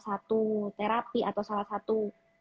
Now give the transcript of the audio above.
satu terapi atau salah satu